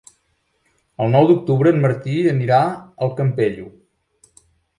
El nou d'octubre en Martí anirà al Campello.